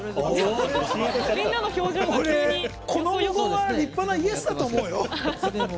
俺、この反応は立派なイエスだと思うよ。